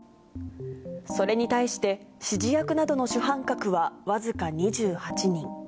それに対して、指示役などの主犯格は僅か２８人。